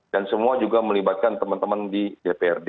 dan semua juga melibatkan teman teman di dprd